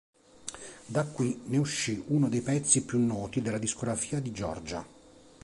Da qui, ne uscì uno dei pezzi più noti della discografia di Giorgia.